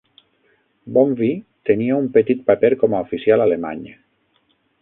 Bonvi tenia un petit paper com a oficial alemany.